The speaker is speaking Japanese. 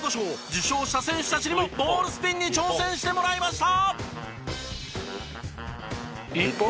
受賞した選手たちにもボールスピンに挑戦してもらいました。